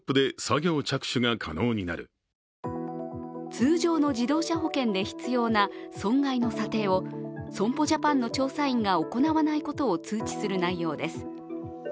通常の自動車保険で必要な損害の査定を損保ジャパンの調査員が行わないことを通知する内容です。